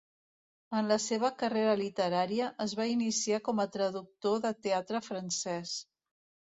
En la seva carrera literària es va iniciar com a traductor de teatre francès.